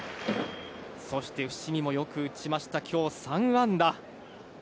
そして伏見もよく打ちました今日３安打。